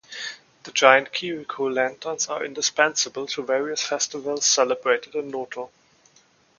The giant Kiriko lanterns are indispensable to various festivals celebrated in Noto.